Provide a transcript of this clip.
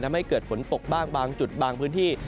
ทำให้เกิดฝนตกบ้างบางจุดบางพื้นที่